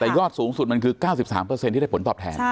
แต่ยอดสูงสุดมันคือ๙๓ที่ได้ผลตอบแทน